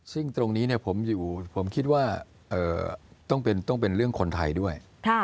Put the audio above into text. ซึ่งตรงนี้ผมคิดว่าต้องเป็นเรื่องคนไทยด้วย